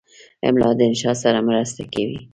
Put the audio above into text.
املا د انشا سره مرسته کوي.